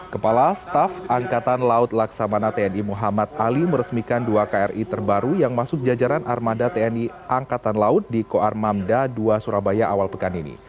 kepala staf angkatan laut laksamana tni muhammad ali meresmikan dua kri terbaru yang masuk jajaran armada tni angkatan laut di koarmamda dua surabaya awal pekan ini